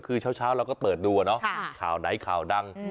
คือเช้าเช้าเราก็เปิดดูอ่ะเนาะค่ะข่าวไหนข่าวดังอืม